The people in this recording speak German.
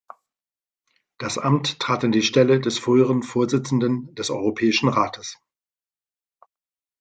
Das Amt trat an die Stelle des früheren Vorsitzenden des Europäischen Rates.